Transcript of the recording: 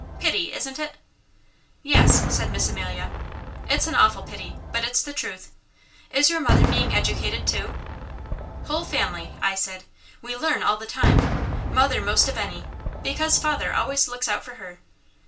Pity, isn't it?" "Yes," said Miss Amelia, "it's an awful pity, but it's the truth. Is your mother being educated too?" "Whole family," I said. "We learn all the time, mother most of any, because father always looks out for her.